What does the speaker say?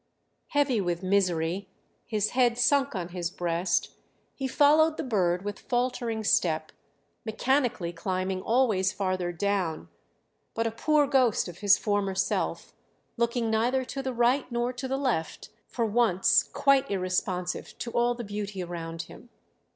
Heavy with misery, his head sunk on his breast, he followed the bird with faltering step, mechanically climbing always farther down, but a poor ghost of his former self, looking neither to the right nor to the left, for once quite irresponsive to all the beauty around him.